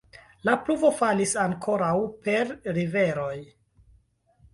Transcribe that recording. La pluvo falis ankoraŭ per riveroj.